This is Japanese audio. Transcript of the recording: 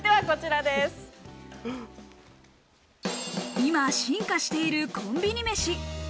今、進化しているコンビニ飯。